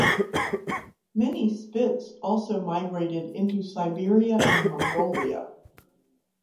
Many spitz also migrated into Siberia and Mongolia.